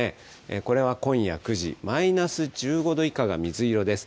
これは今夜９時、マイナス１５度以下が水色です。